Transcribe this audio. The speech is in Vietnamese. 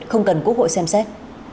không cần quốc hội xem xét